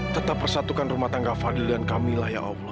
kamu duduk dulu duduk dulu mila